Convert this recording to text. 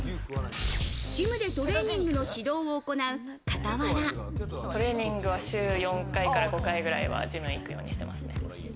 ジムでトレーニングの指導を行う傍ら、トレーニングは週４回から５回くらいはジムに行くようにしてますね。